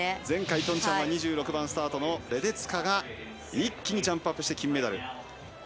前回のピョンチャンは２６番スタートのレデツカが一気にジャンプアップして金メダル。